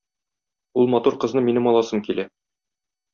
Ул матур кызны минем аласым килә.